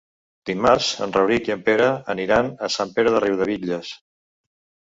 Dimarts en Rauric i en Pere aniran a Sant Pere de Riudebitlles.